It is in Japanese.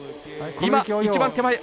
今一番手前。